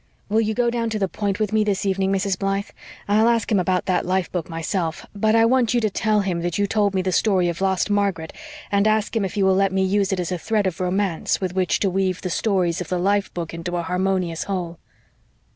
"Will you go down to the Point with me this evening, Mrs. Blythe? I'll ask him about that life book myself, but I want you to tell him that you told me the story of lost Margaret and ask him if he will let me use it as a thread of romance with which to weave the stories of the life book into a harmonious whole."